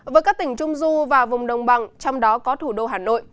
với các tỉnh trung du và vùng đồng bằng trong đó có thủ đô hà nội